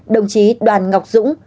đồng chí đoàn ngọc dũng